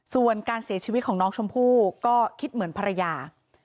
ส่วนการเสียชีวิตของน้องชมพู่ก็คิดเหมือนภรรยา